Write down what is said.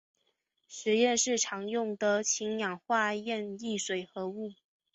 实验室常用的是氢氧化铯一水合物。